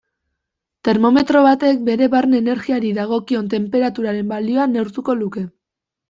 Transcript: Termometro batek bere barne energiari dagokion tenperaturaren balioa neurtuko luke.